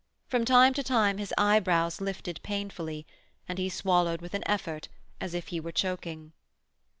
From time to time his eyebrows lifted painfully, and he swallowed with an effort as if he were choking.